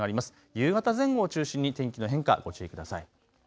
夕方前後を中心に天気の変化、ご注意ください。